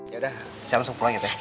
yaudah saya langsung pulang ya teh